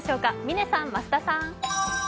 嶺さん、増田さん。